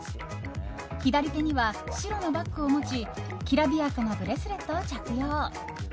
左手には白のバッグを持ちきらびやかなブレスレットを着用。